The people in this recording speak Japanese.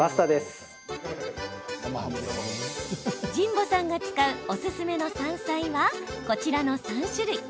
神保さんが使うおすすめの山菜はこちらの３種類。